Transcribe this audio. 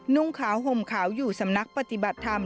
นุ่งขาวห่มขาวอยู่สำนักปฏิบัติธรรม